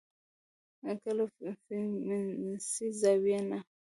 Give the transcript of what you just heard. که له فيمنستي زاويې نه